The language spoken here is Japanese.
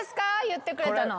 言ってくれたの。